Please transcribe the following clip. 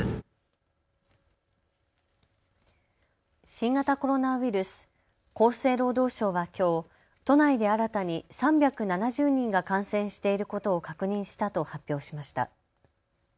新型コロナウイルス、厚生労働省はきょう都内で新たに３７０人が感染していることを確認したと発表しました。